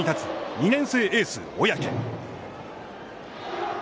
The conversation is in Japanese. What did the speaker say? ２年生エース小宅。